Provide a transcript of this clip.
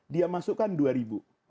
dia masukkan dua ribu